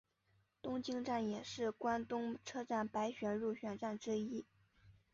东京站也是关东车站百选入选站之一。